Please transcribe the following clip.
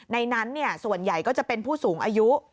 ในนั้นส่วนใหญ่ก็จะเป็นผู้สูงอายุ